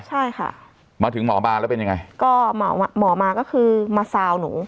ใช่ค่ะมาถึงหมอบานแล้วเป็นยังไงก็หมอหมอมาก็คือมาซาวหนู